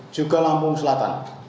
juga lampung selatan